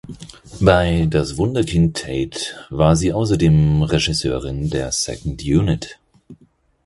Bei "Das Wunderkind Tate" war sie außerdem Regisseurin der Second Unit.